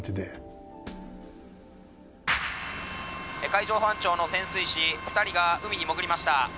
海上保安庁の潜水士２人が海に潜りました。